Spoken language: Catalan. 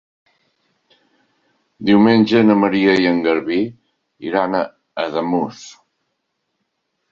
Diumenge na Maria i en Garbí iran a Ademús.